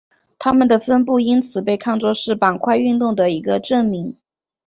它们的分布因此被看作是板块运动的一个证明。